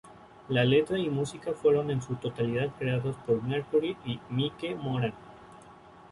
La letra y música fueron en su totalidad creadas por Mercury y Mike Moran.